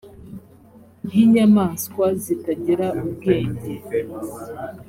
nk inyamaswa zitagira ubwenge